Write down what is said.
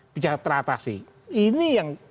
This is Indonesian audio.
bisa teratasi ini yang